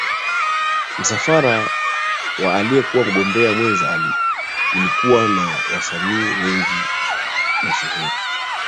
Msafara wa aliyekuwa mgombea mwenza ulikuwa na wasanii wengi mashuhuri